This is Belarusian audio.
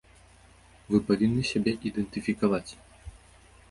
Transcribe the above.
Вы павінны сябе ідэнтыфікаваць.